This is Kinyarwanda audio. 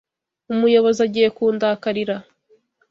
Umuyobozi agiye kundakarira.